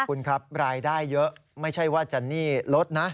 คุณครับรายได้เยอะไม่ใช่ว่าจะหนี้ลดนะ